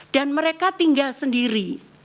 dan mereka tinggal sendiri